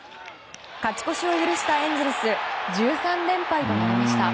勝ち越しを許したエンゼルス１３連敗となりました。